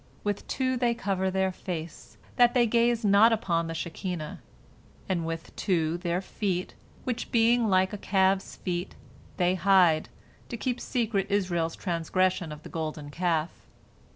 With two they cover their face, that they gaze not upon the Shekinah; and with two their feet, which, being like a calf's feet, they hide, to keep secret Israel's transgression of the golden calf.